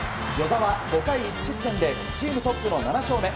與座は５回１失点でチームトップの７勝目。